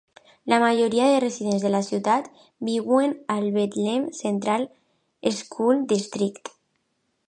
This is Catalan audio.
La majoria de residents de la ciutat viuen al Bethlehem Central School District.